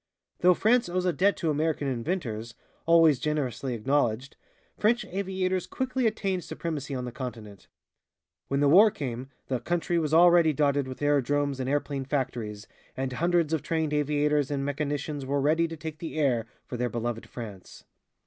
Though France owes a debt to American inventors, always generously acknowledged, French aviators quickly attained supremacy on the continent. When the war came, the country was already dotted with aerodromes and airplane factories, and hundreds of trained aviators and mechanicians were ready to take the air for their beloved France.